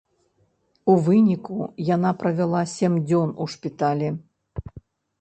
У выніку яна правяла сем дзён у шпіталі.